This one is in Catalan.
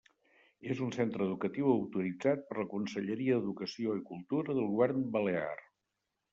És un centre educatiu autoritzat per la Conselleria d'Educació i Cultura del Govern Balear.